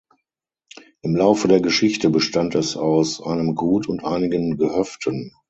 Im Laufe der Geschichte bestand es aus einem Gut und einigen Gehöften.